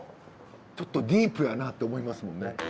ちょっとディープやなって思いますもんね。